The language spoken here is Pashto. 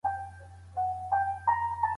په کال کې شاوخوا شل زره اسټروېډونه کشف کېږي.